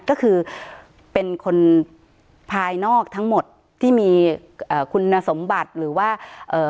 ก็คือเป็นคนภายนอกทั้งหมดที่มีเอ่อคุณสมบัติหรือว่าเอ่อ